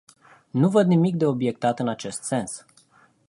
Nu văd nimic de obiectat în acest sens.